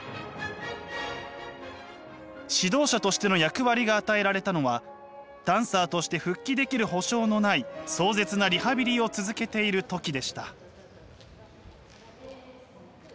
指導者としての役割が与えられたのはダンサーとして復帰できる保証のない壮絶なリハビリを続けている時でした。